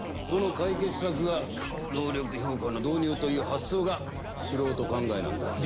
その解決策が能力評価の導入という発想が素人考えなんだ。